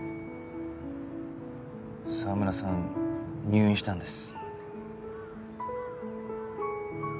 澤村さん入院したんです。